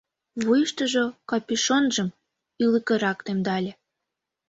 Вуйыштыжо капюшонжым ӱлыкырак темдале.